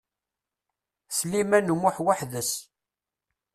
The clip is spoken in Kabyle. Sliman U Muḥ weḥd-s.